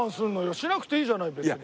しなくていいじゃない別に。